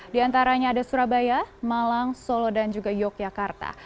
di antaranya ada surabaya malang solo dan juga yogyakarta